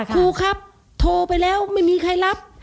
ครูครับโทรไปแล้วไม่มีใครรับ